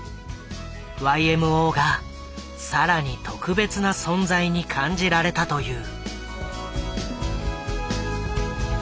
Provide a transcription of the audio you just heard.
ＹＭＯが更に特別な存在に感じられたという。